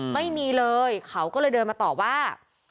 ไม่มีเลยเขาก็เลยเดินมาต่อว่า